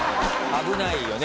危ないよね。